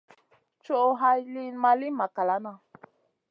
Coh hay lìyn ma li makalana.